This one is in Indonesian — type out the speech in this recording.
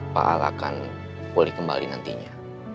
pak al akan pulih kembali nantinya